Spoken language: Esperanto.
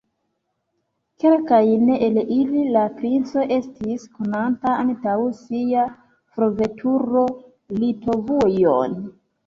Kelkajn el ili la princo estis konanta antaŭ sia forveturo Litovujon.